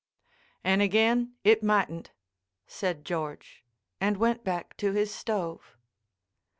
"And again it mightn't," said George, and went back to his stove.